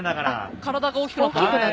体が大きくなって？